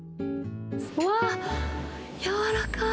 うわっ、柔らかい。